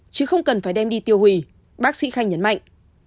chứ không cần phải đem đi tiêu hủy bác sĩ khanh nhấn mạnh